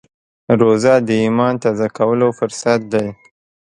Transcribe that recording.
روژه د ایمان تازه کولو فرصت دی.